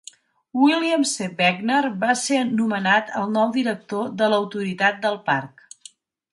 William C. Beckner va ser nomenat el nou director de l'Autoritat del Parc.